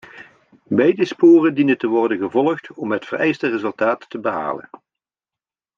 Beide sporen dienen te worden gevolgd om het vereiste resultaat te behalen.